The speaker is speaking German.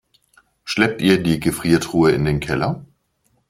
Schleppt ihr die Gefriertruhe in den Keller?